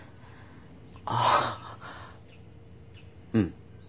あぁうん。